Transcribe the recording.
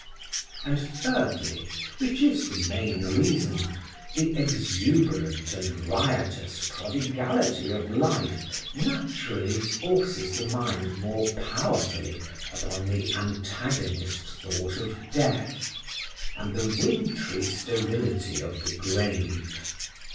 And thirdly (which is the main reason), the exuberant and riotous prodigality of life naturally forces the mind more powerfully upon the antagonist thought of death, and the wintry sterility of the grave.